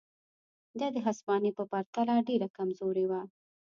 دا د هسپانیې په پرتله ډېره کمزورې وه.